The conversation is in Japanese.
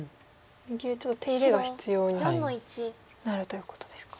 右上ちょっと手入れが必要になるということですか。